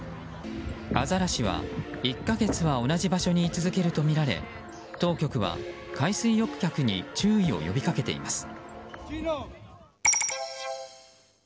アザラシは１か月は同じ場所に居続けるとみられ当局は、海水浴客に注意を呼び掛けています。